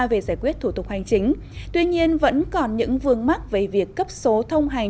về giải quyết thủ tục hành chính tuy nhiên vẫn còn những vương mắc về việc cấp số thông hành